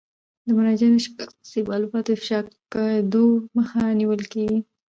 د مراجعینو د شخصي معلوماتو د افشا کیدو مخه نیول کیږي.